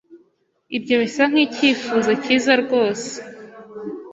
Ibyo bisa nkicyifuzo cyiza rwose.